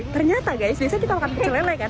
ternyata guys biasanya kita makan pecelele kan